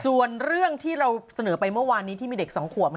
ส่วนเรื่องที่เราเสนอไปเมื่อวานนี้ที่มีเด็ก๒ขวบ